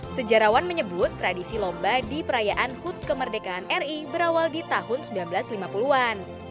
sejarawan menyebut tradisi lomba di perayaan hut kemerdekaan ri berawal di tahun seribu sembilan ratus lima puluh an